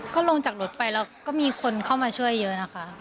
ก็ลงจากรถไปแล้วก็มีคนเข้ามาช่วยเยอะนะคะ